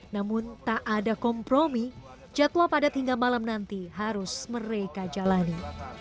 namun tak ada kompromi jadwal padat hingga malam nanti harus mereka jalani